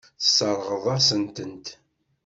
Tesseṛɣeḍ-asen-tent.